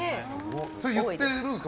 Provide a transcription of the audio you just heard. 言ってるんですか？